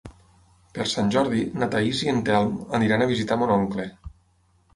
Per Sant Jordi na Thaís i en Telm aniran a visitar mon oncle.